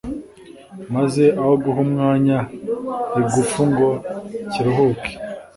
maze aho guha umwanya igufu ngo kiruhuke,